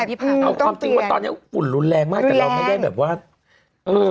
เอาความจริงว่าตอนนี้ฝุ่นรุนแรงมากแต่เราไม่ได้แบบว่าโอ้โฮต้องเปลี่ยน